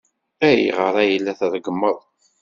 Ayɣer ay la treggmeḍ?